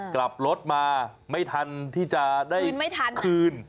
กลับรถมาไม่ทันที่จะได้คืน